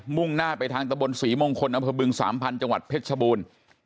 มุ่งหน้าไปทางตะบนสรีมงคลอัพพบุรุษธ์สามพันธ์จังหวัดเพล็จชะบูน